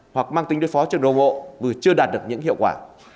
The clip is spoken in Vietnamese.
hoặc mang tính đối phó trường đồng hộ vừa chưa đạt được những hiệu quả